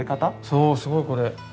そうすごいこれ。